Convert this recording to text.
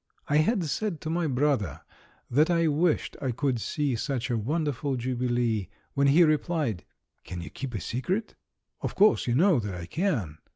I had said to my brother that I wished I could see such a wonderful jubilee, when he replied: "Can you keep a secret?" "Of course you know that I can!"